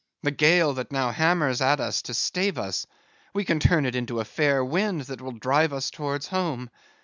"The gale that now hammers at us to stave us, we can turn it into a fair wind that will drive us towards home.